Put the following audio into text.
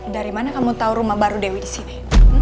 dari mana kamu tau rumah baru dewi disini